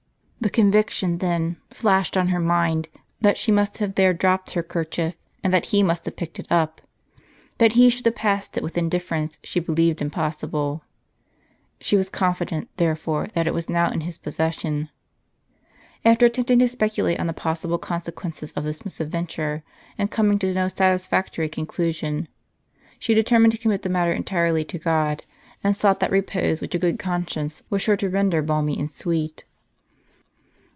The conviction then Hashed on her mind, that she must have there dropped her kerchief, and that he must have picked it wp. That he should have passed it with indifference she believed impossible. She was confident, therefore, that it was now in his possession. After attempt ing to speculate on the possible consequences of this mis adventure, and coming to no satisfactory conclusion, she * A famous sorceress in Augustus's age. f The worship of interior Afi'ica. 83 determined to commit the matter entirely to God, and sought that repose which a good conscience was sure to render bahny and sweet.